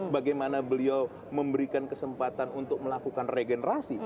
bagaimana beliau memberikan kesempatan untuk melakukan regenerasi